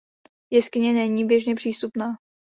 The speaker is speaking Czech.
Jeskyně není běžně přístupná.